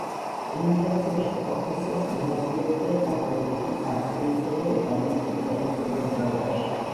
ემიგრაციაში ყოფნისას მონაწილეობდა საფრანგეთის, ავსტრიისა და იტალიის სოციალისტურ მოძრაობაში.